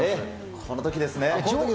このときですね。